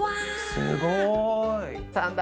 すごい。